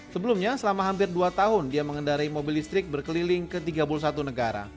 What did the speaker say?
sebelumnya selama hampir dua tahun dia mengendarai mobil listrik berkeliling ke tiga puluh satu negara